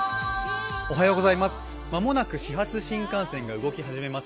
間もなく始発新幹線が動き始めます